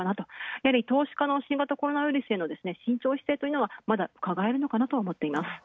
やはり投資家の新型コロナウイルスへの慎重姿勢というのはまだなのかなと思っています。